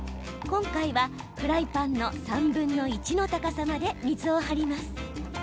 今回はフライパンの３分の１の高さまで水を張ります。